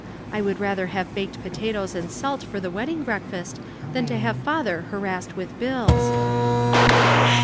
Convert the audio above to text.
I would rather have baked potatoes and salt for the wedding breakfast than to have father harassed with bills."